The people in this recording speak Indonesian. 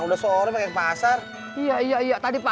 udah nyerumahin prescription nggak sih